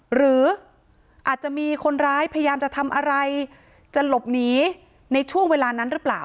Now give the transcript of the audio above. หรืออาจจะมีคนร้ายพยายามจะทำอะไรจะหลบหนีในช่วงเวลานั้นหรือเปล่า